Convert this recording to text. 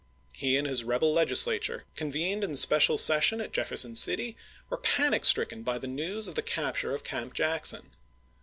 He and his rebel Legisla ture, convened in special session at Jefferson City, were panic stricken by the news of the capture of Camp Jackson.